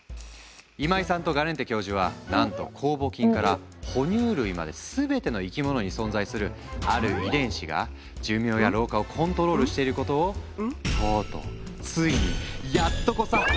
今井さんとガレンテ教授はなんと酵母菌から哺乳類まで全ての生き物に存在するある遺伝子が寿命や老化をコントロールしていることをとうとうついにやっとこさ発見したんだ。